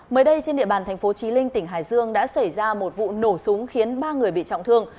mới đây trên địa bàn tp chí linh tỉnh hải dương đã xảy ra một vụ nổ súng khiến ba người bị trọng thương